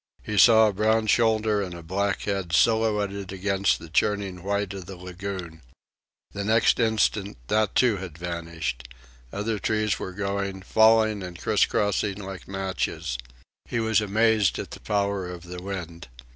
He saw a brown shoulder and a black head silhouetted against the churning white of the lagoon. The next instant that, too, had vanished. Other trees were going, falling and criss crossing like matches. He was amazed at the power of the wind.